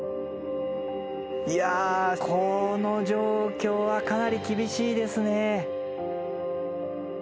いやこの状況はかなり厳しいですね。